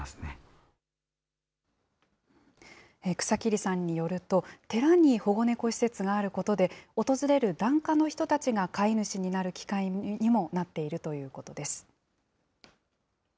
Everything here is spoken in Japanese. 草切さんによると、寺に保護猫施設があることで、訪れる檀家の人たちが飼い主になる機会にもなっているということです。